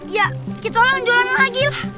ya kita orang jualan lagi lah